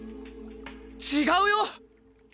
違うよ！